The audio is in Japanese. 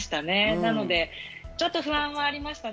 なのでちょっと不安もありましたね。